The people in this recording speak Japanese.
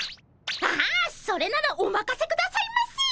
ああそれならおまかせくださいませ！